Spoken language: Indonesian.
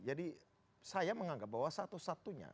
jadi saya menganggap bahwa satu satunya